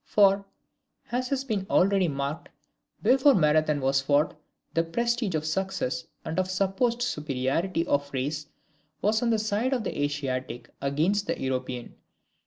For, as has been already remarked, before Marathon was fought, the prestige of success and of supposed superiority of race was on the side of the Asiatic against the European.